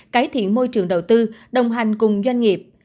cải thiện môi trường đầu tư đồng hành cùng doanh nghiệp